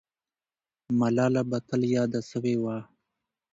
ملاله به تل یاده سوې وه.